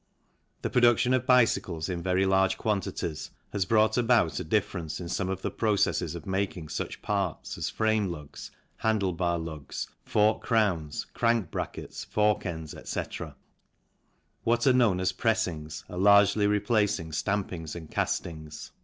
The production of bicycles in very large quantities has brought about a difference in some of the processes of making such parts as frame lugs, handle bar lugs, fork crowns, crank brackets, fork ends, etc. What are known as pressings are largely replacing stampings and castings.